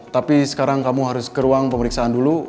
tapi sekarang kamu harus ke ruang pemeriksaan dulu